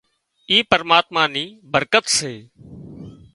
اِي پرماتما نِي برڪت سي